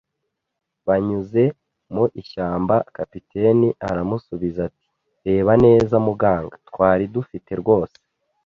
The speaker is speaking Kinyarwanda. banyuze mu ishyamba. ” Kapiteni aramusubiza ati: “Reba neza, muganga.” Twari dufite rwose